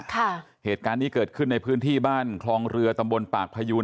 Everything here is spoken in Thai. ค่ะเหตุการณ์นี้เกิดขึ้นในพื้นที่บ้านคลองเรือตำบลปากพยูน